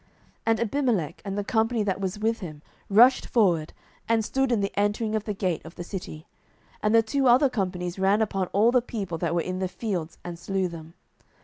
07:009:044 And Abimelech, and the company that was with him, rushed forward, and stood in the entering of the gate of the city: and the two other companies ran upon all the people that were in the fields, and slew them.